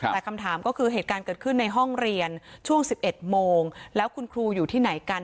แต่คำถามก็คือเหตุการณ์เกิดขึ้นในห้องเรียนช่วง๑๑โมงแล้วคุณครูอยู่ที่ไหนกัน